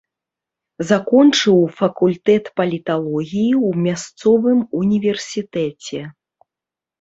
Закончыў факультэт паліталогіі ў мясцовым універсітэце.